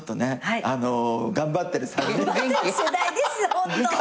頑張ってる３人。